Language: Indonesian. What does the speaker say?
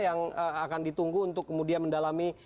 yang akan ditunggu untuk kemudian mendalami